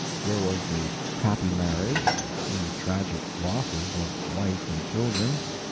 There was the happy marriage, the tragic losses of wife and children.